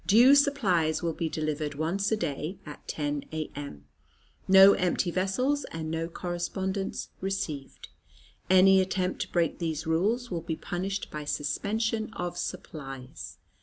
Due supplies will be delivered once a day, at 10 A.M. No empty vessels and no correspondence received. Any attempt to break these rules will be punished by suspension of supplies.